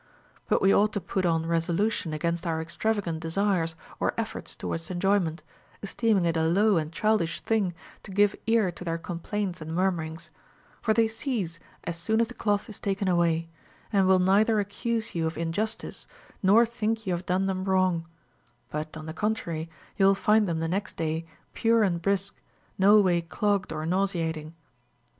But we ought to put on resolution against our extravagant desires or efforts towards enjoyment, esteeming it a low and child ish thing to give ear to their complaints and murmurings ; for they cease as soon as the cloth is taken away, and will neither accuse you of injustice, nor think you have done them wrong ; but on the contrary, you Avill find them the next day pure and brisk, no way clogged or nauseating.